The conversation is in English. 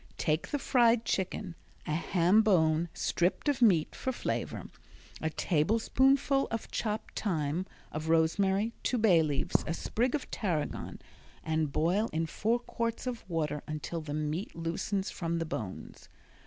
Take the fried chicken, a ham bone stripped of meat for flavor, a tablespoonful of chopped thyme, of rosemary, two bay leaves, a sprig of tarragon and boil in four quarts of water until the meat loosens from the bones.